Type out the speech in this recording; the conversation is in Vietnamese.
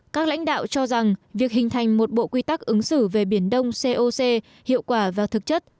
các lãnh đạo cho rằng việc hình thành một bộ quy tắc ứng xử về biển đông coc hiệu quả và thực chất